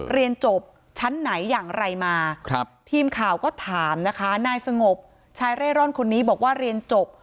เรียนจบชั้นไหนอย่างไรมาครับทีมข่าวก็ถามนะคะนายสงบชายเร่ร่อนคนนี้บอกว่าเรียนจบ